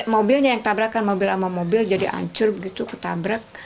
mobilnya yang tabrakan mobil sama mobil jadi hancur begitu ketabrak